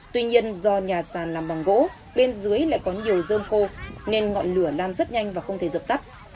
tuy nhiên do nhà sàn làm bằng gỗ bên dưới lại có nhiều dơm khô nên ngọn lửa lan rất nhanh và không thể dập tắt